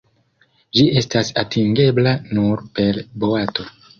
Ĝi estas atingebla nur per boato.